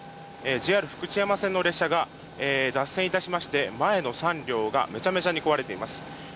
ＪＲ福知山線の列車が脱線いたしまして前の３両がめちゃめちゃに壊れています。